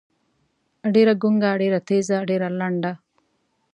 ډېــره ګونګــــــه، ډېــره تېــزه، ډېــره لنډه.